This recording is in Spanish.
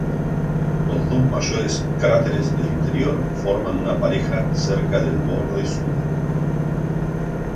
Los dos mayores cráteres del interior forman una pareja cerca del borde sur.